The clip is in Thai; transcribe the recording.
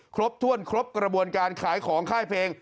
ครบถ้วนครบกระบวนการขายของค่ายเพลง